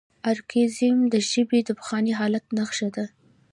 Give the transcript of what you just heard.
ارکائیزم د ژبې د پخواني حالت نخښه ده.